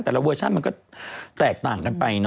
เวอร์ชั่นมันก็แตกต่างกันไปเนอ